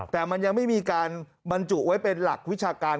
แต่มันยังไม่มีการบรรจุไว้เป็นหลักวิชาการ